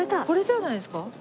これじゃないですか？